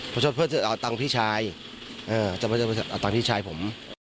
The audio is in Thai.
ชดเพื่อจะเอาตังค์พี่ชายจะมาจะไปเอาตังค์พี่ชายผม